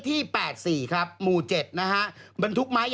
อีก